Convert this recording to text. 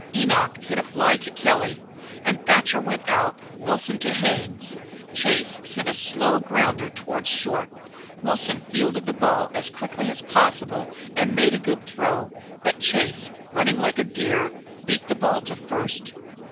Enoch hit a fly to Kelly, and Thatcher went out, Wilson to Hains. Chase sent a slow grounder towards short. Wilson fielded the ball as quickly as possible and made a good throw, but Chase, running like a deer, beat the ball to first.